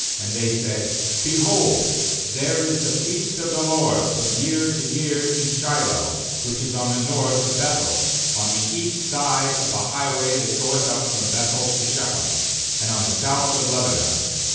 19And they said :' Behold, there is the feast of the LORD from year to year in Shiloh, which is on the north of Beth el, on the east side of the highway that goeth up from Beth el to Shechem, and on the south of Lebonah.'